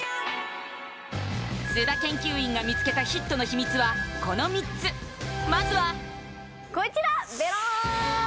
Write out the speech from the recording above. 須田研究員が見つけたヒットの秘密はこの３つまずはこちらベローン